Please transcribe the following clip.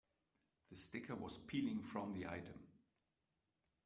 The sticker was peeling from the item.